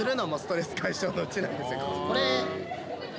これ。